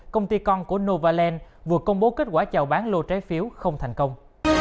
công ty con của novaland vừa công bố kết quả chào bán lô trái phiếu không thành công